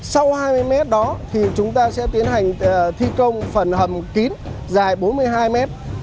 sau hai mươi mét đó thì chúng ta sẽ tiến hành thi công phần hầm kín dài bốn mươi hai mét